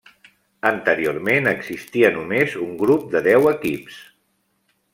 Anteriorment existia només un grup de deu equips.